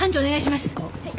はい。